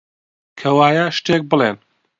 کەوایە، شتێک بڵێن!